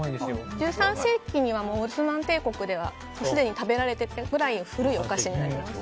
１３世紀には、オスマン帝国ではすでに食べられていたぐらい古いお菓子になります。